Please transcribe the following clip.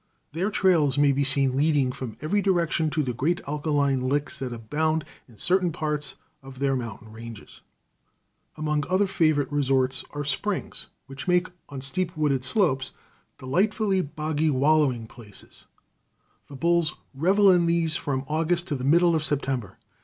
Their trails may be seen leading from every direction to the great alkaline licks that abound in certain parts of their mountain ranges. Among other favorite resorts are springs, which make, on steep wooded slopes, delightful, boggy wallowing places. The bulls revel in these from August to the middle of September.